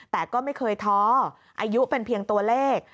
แต่ก็ไม่เคยท้ออายุเป็นเพียงตัวเลข